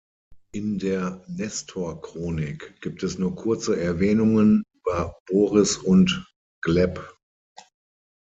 In der Nestorchronik gibt es nur kurze Erwähnungen über Boris und Gleb.